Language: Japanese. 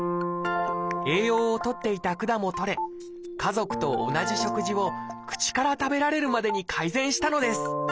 栄養をとっていた管も取れ家族と同じ食事を口から食べられるまでに改善したのです。